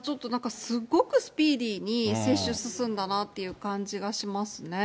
ちょっとなんか、すごくスピーディーに接種進んだなという感じがしますね。